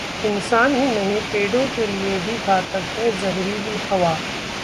इंसान ही नहीं पेड़ों के लिए भी घातक है जहरीली हवा